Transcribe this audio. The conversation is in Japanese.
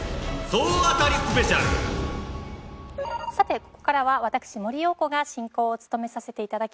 さてここからは私森葉子が進行を務めさせていただきます。